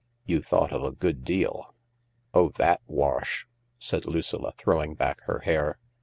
" You thought of a good deal." "Oh, that wash I "said Lucilla, throwing back her hair.